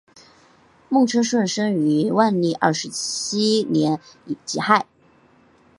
孟称舜生于万历二十七年己亥。